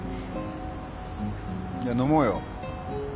いや飲もうよ。